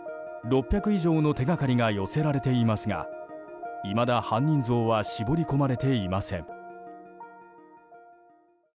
６００以上の手掛かりが寄せられていますがいまだ犯人像は絞り込まれていません。